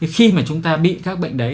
khi mà chúng ta bị các bệnh đấy